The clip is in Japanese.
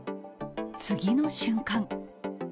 次の瞬間。